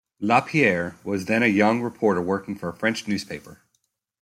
Lapierre was then a young reporter working for a French newspaper.